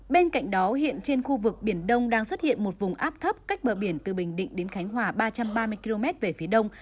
bên cạnh đó hiện trên khu vực biển đông đang xuất hiện một vùng áp thấp cách bờ biển từ bình định đến khánh hòa ba trăm ba mươi km về phía đông